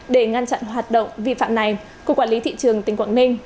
để ngăn chặn hoạt động vi phạm này cục quản lý thị trường tỉnh quảng ninh